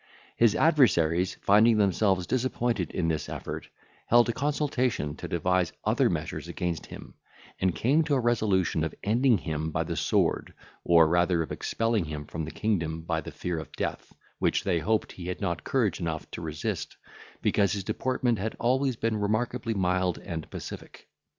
His adversaries, finding themselves disappointed in this effort, held a consultation to devise other measures against him, and came to a resolution of ending him by the sword, or rather of expelling him from the kingdom by the fear of death, which they hoped he had not courage enough to resist, because his deportment had always been remarkably mild and pacific.